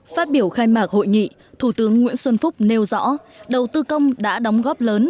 phát biểu khai mạc hội nghị thủ tướng nguyễn xuân phúc nêu rõ đầu tư công đã đóng góp lớn